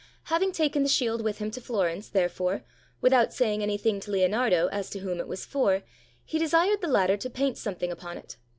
Having taken the shield with him to Florence, therefore, without saying anything to Leonardo as to whom it was for, he desired the latter to paint some thing upon it.